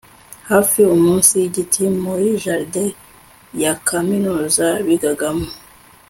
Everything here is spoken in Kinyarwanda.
hafi munsi yigiti muri jardin yakaminuza bigagamo